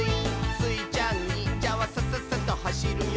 「スイちゃんにんじゃはサササとはしるよ」